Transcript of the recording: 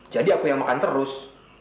jadi aku yang makan terus